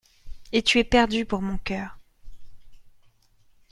Et tu es perdu pour mon cœur.